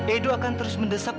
edo akan terus mendesak